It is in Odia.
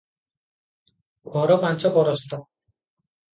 ଘର ପାଞ୍ଚ ପରସ୍ତ ।